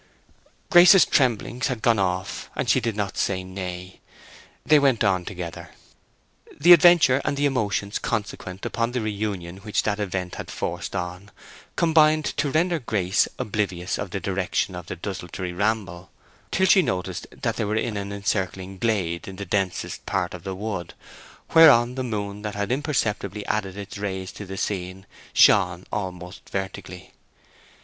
Grace's tremblings had gone off, and she did not say nay. They went on together. The adventure, and the emotions consequent upon the reunion which that event had forced on, combined to render Grace oblivious of the direction of their desultory ramble, till she noticed they were in an encircled glade in the densest part of the wood, whereon the moon, that had imperceptibly added its rays to the scene, shone almost vertically.